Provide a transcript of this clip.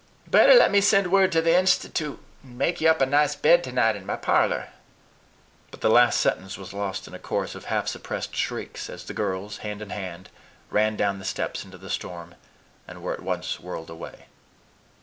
Better let me send word to the Institoot, and make ye up a nice bed tonight in my parlor." But the last sentence was lost in a chorus of half suppressed shrieks as the girls, hand in hand, ran down the steps into the storm, and were at once whirled away.